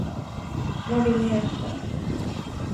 Vad vill ni äta?